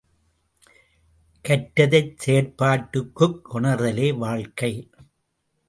கற்றதைச் செயற்பாட்டுக்குக் கொணர்தலே வாழ்க்கை!